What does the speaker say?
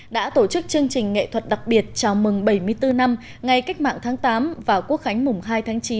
đã tổ chức chương trình nghệ thuật đặc biệt chào mừng bảy mươi bốn năm ngày cách mạng tháng tám và quốc khánh mùng hai tháng chín